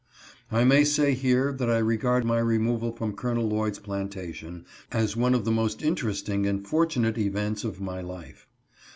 I may say here that I regard my removal from Col. Lloyd's plantation as one of the most interesting and for tunate events of my life.